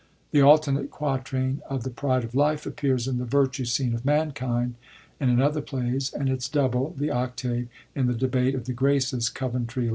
The alternate quatrain of the Pride of Life appears in the virtue scene of Manhmd and in other plays, and its douhle, the * octave,* in the Debate of the Graces (Coventry XI.)